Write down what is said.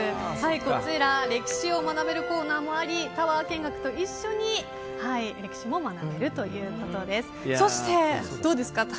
こちら、歴史を学べるコーナーもありタワー見学と一緒に歴史も学べるということです。